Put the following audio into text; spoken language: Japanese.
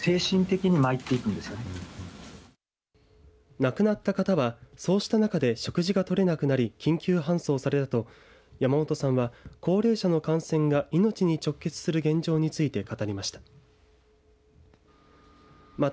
亡くなった方はそうした中で食事が取れなくなり緊急搬送されたと山本さんは高齢者の感染が命に直結する現状について語りました。